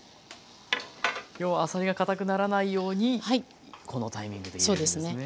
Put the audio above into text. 要はあさりがかたくならないようにこのタイミングで入れるんですね。